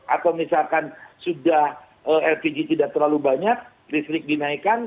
atau misalkan sudah lpg tidak terlalu banyak listrik dinaikkan